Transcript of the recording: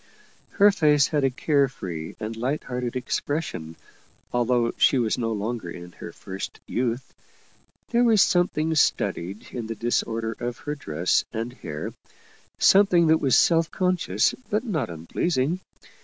Her face had a care free and light hearted expression, although she was no longer in Jier first youth. There was something studied in the dis order of her dress and hair, something that was self con scious but not unpleasing.